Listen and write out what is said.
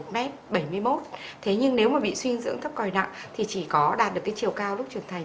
m bảy mươi một thế nhưng nếu mà bị suy dưỡng thấp còi nặng thì chỉ có đạt được cái chiều cao lúc trưởng thành